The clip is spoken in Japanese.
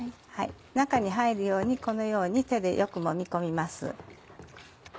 中に入るようにこのように手でよくもみ込みます。